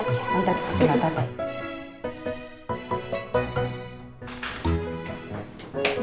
nanti aku pilih